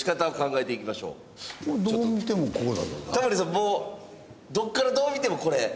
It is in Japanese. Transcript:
もうどっからどう見てもこれ？